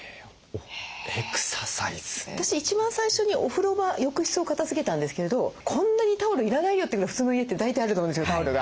私一番最初にお風呂場浴室を片づけたんですけどこんなにタオル要らないよってぐらい普通の家って大体あると思うんですよタオルが。